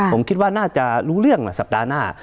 ผมคิดว่าน่าจะรู้เรื่องสัปดาห์หน้า